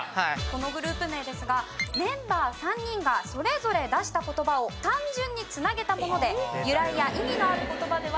このグループ名ですがメンバー３人がそれぞれ出した言葉を単純に繋げたもので由来や意味のある言葉ではないそうです。